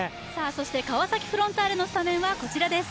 そして川崎フロンターレのスタメンはこちらです。